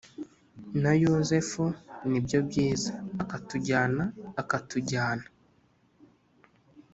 na yozefu nibyobyiza akatujyana akatujyana